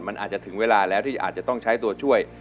มันอาจจะถึงเวลาแล้วที่อาจจะต้องใช้ตัวช่วย